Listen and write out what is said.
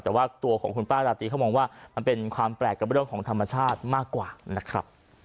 แต่ว่าตัวของคุณป้าราตรีเขามองว่ามันเป็นความแปลกกับเรื่องของธรรมชาติมากกว่านะครับ